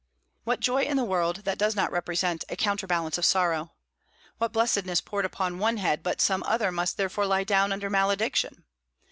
What joy in the world that does not represent a counter balance of sorrow? What blessedness poured upon one head but some other must therefore lie down under malediction?